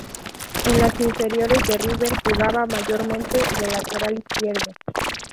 En las inferiores de River jugaba mayormente de lateral izquierdo.